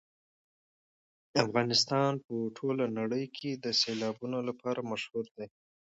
افغانستان په ټوله نړۍ کې د سیلابونو لپاره مشهور دی.